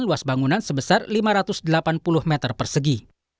luas bangunan sebesar lima ratus delapan puluh meter persegi